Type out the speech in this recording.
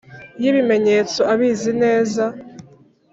Y Ibimenyetso Abizi Neza